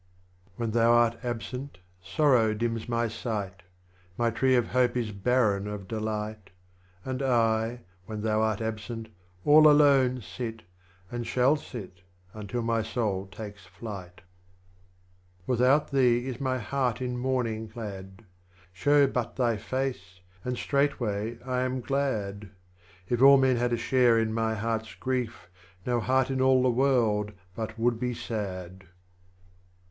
8 THE LAMENT OF 28. When thou art absent Sorrow dims my sight, My Tree of Hope is barren of Delight, And I, when thou art al^sent, all alone Sit, and shall sit until my Soul takes flight. 29. AVithout thee is my Heart in Mourning clad, Show but thy Face, and straightway I am glad ; If all men had a share in my Heart's Grief, No Heart in all the World but would be sad. 30.